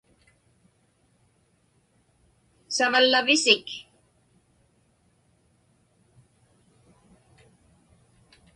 Savallavisik?